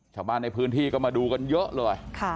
ชาวบ้านในพื้นที่ก็มาดูกันเยอะเลย